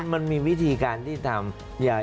มันมีวิธีการที่ทำ